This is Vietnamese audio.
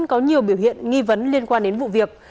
có nhiều biểu hiện nghi vấn liên quan đến vụ việc